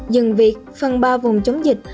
dừng việc phần ba vùng chống dịch